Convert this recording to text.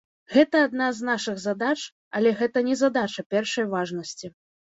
Гэта адна з нашых задач, але гэта не задача першай важнасці.